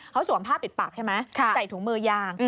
เขาสวมผ้าปิดปากใช่ไหมใส่ถุงมือยาง